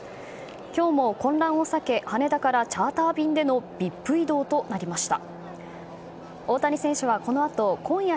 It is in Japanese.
今日も混乱を避け羽田からチャーター便でのＶＩＰ移動となりました。